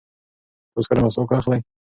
تاسو کله مسواک اخلئ؟